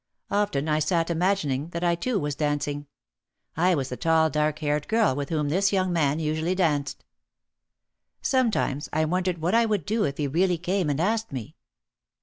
Often I sat imagining that I too was dancing — I was the tall dark haired girl with whom this young man usually danced. Sometimes I wondered what I would do if he really came and asked me.